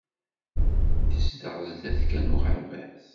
Tezdeɣ sdat kan uɣerbaz.